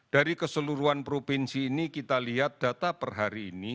dari keseluruhan provinsi ini kita lihat data per hari ini